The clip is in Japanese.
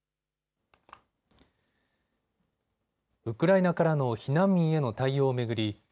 ウクライナからの避難民への対応を巡り